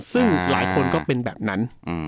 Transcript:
ซึ่งหลายคนก็เป็นแบบนั้น